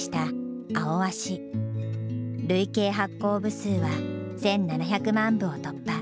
累計発行部数は１，７００万部を突破。